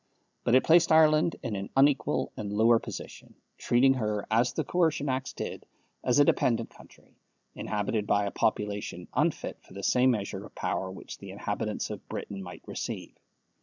But it placed Ireland in an unequal and lower position, treating her, as the Coercion Acts did, as a dependent country, inhabited by a population unfit for the same measure of power which the inhabitants of Britain might receive.